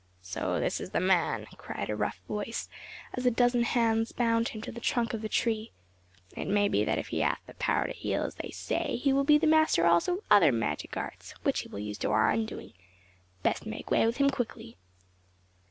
"So this is the man!" cried a rough voice, as a dozen hands bound him to the trunk of a tree. "It may be that if he hath the power to heal, as they say, he will be master also of other magic arts, which he will use to our undoing. Best make way with him quickly."